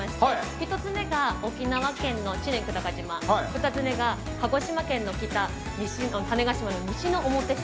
１つ目が沖縄県の知念久高島２つ目が鹿児島県の種子島の西之表市。